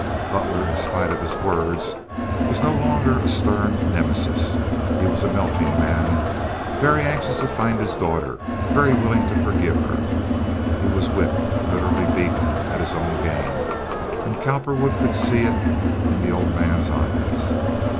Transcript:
Butler, in spite of his words, was no longer a stern Nemesis. He was a melting man—very anxious to find his daughter, very willing to forgive her. He was whipped, literally beaten, at his own game, and Cowperwood could see it in the old man's eyes.